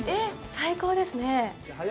最高ですね。